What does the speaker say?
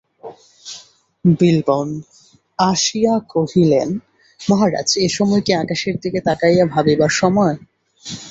বিল্বন আসিয়া কহিলেন, মহারাজ, এ সময় কি আকাশের দিকে তাকাইয়া ভাবিবার সময়।